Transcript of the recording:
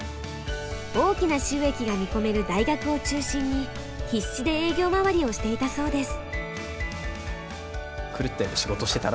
大きな収益が見込める大学を中心に必死で営業回りをしていたそうです。